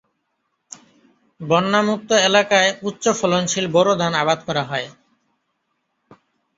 বন্যামুক্ত এলাকায় উচ্চ ফলনশীল বোরো ধান আবাদ করা হয়।